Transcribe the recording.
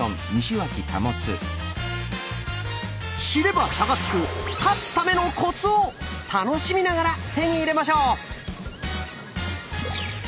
知れば差がつく「勝つためのコツ」を楽しみながら手に入れましょう！